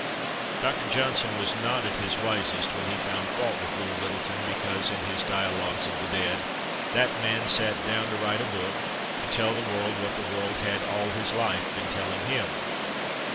Dr. Johnson was not at his wisest when he found fault with Lord Lyttelton because, in his "Dialogues of the Dead," "that man sat down to write a book, to tell the world what the world had all his life been telling him."